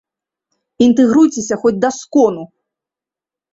Інтэгруйцеся хоць да скону!